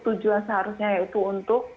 tujuan seharusnya yaitu untuk